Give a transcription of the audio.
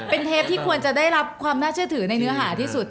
เป็นเทปที่ควรจะได้รับความน่าเชื่อถือในเนื้อหาที่สุด